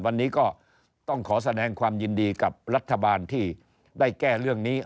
วันนี้ก็ต้องขอแสดงความยินดีกับรัฐบาลที่ได้แก้เรื่องนี้